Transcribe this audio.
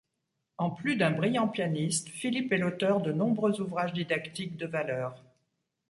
En plus d'un brillant pianiste, Philipp est l'auteur de nombreux ouvrages didactiques de valeur.